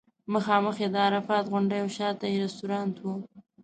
مخامخ یې د عرفات غونډۍ او شاته یې رستورانټ و.